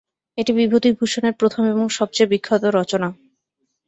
এটি বিভূতিভূষণের প্রথম এবং সবচেয়ে বিখ্যাত রচনা।